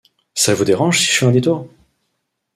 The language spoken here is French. Ça vous dérange si je fais un détour.